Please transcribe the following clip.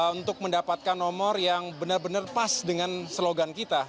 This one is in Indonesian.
untuk mendapatkan nomor yang benar benar pas dengan slogan kita